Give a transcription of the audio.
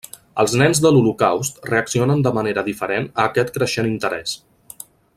Els nens de l'holocaust reaccionen de manera diferent a aquest creixent interès.